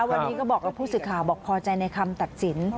วันนี้ก็บอกกับผู้สื่อข่าวบอกพอใจในคำตัดสิน